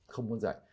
không muốn dậy